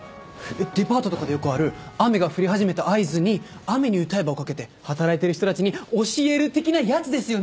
デパートとかでよくある雨が降り始めた合図に『雨に唄えば』をかけて働いてる人たちに教える的なやつですよね？